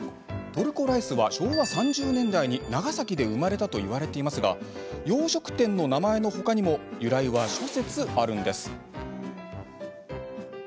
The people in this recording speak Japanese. トルコライスは昭和３０年代に長崎で生まれたといわれていますが洋食店の名前の他にも由来は諸説あるんです。